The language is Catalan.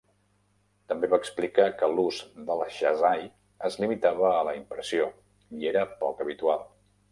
També va explicar que l'ús del shazai es limitava a la impressió i era poc habitual.